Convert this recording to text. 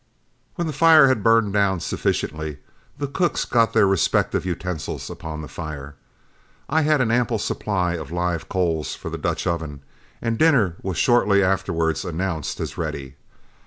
When the fire had burned down sufficiently, the cooks got their respective utensils upon the fire; I had an ample supply of live coals for the Dutch oven, and dinner was shortly afterwards announced as ready.